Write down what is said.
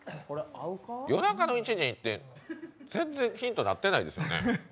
夜中の１時って全然ヒントになってないですね。